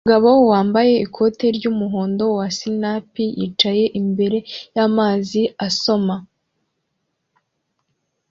Umugabo wambaye ikoti ry'umuhondo wa sinapi yicaye imbere y'amazi asoma